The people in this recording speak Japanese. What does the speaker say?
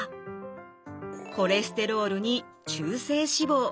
コレステロールに中性脂肪。